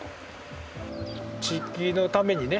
地域のためにね